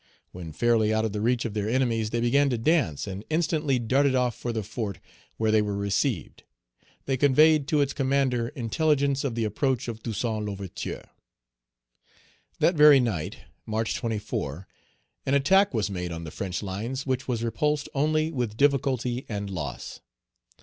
When fairly out of the reach of their enemies, they began to dance, and instantly darted off for the fort, where they were received. They conveyed to its commander intelligence of the approach of Toussaint L'Ouverture. That very night (March 24) an attack was made on the French lines which was repulsed only with difficulty and loss.